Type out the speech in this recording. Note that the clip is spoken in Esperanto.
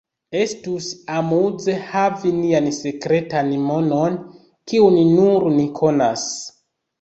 Estus amuze havi nian sekretan monon kiun nur ni konas.